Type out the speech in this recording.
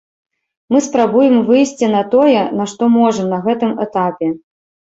Мы спрабуем выйсці на тое, на што можам на гэтым этапе.